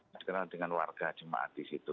dikenal dengan warga jemaah di situ